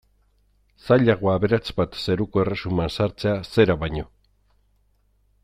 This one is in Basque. Zailagoa aberats bat zeruko erresuman sartzea zera baino.